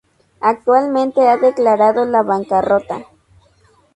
Actualmente, ha declarado la bancarrota.